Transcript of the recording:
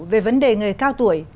về vấn đề người cao tuổi